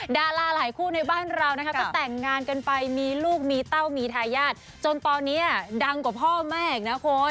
ดาราหลายคู่ในบ้านเรานะคะก็แต่งงานกันไปมีลูกมีเต้ามีทายาทจนตอนนี้ดังกว่าพ่อแม่อีกนะคุณ